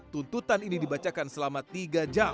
tuntutan ini dibacakan selama tiga jam